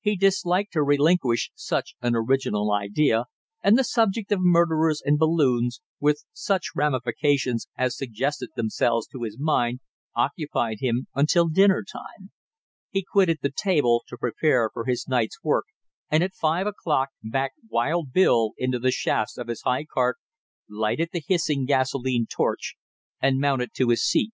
He disliked to relinquish such an original idea, and the subject of murderers and balloons, with such ramifications as suggested themselves to his mind, occupied him until dinner time. He quitted the table to prepare for his night's work, and at five o'clock backed wild Bill into the shafts of his high cart, lighted the hissing gasolene torch, and mounted to his seat.